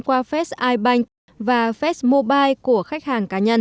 qua fes ibank và fes mobile của khách hàng cá nhân